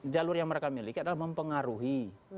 jalur yang mereka miliki adalah mempengaruhi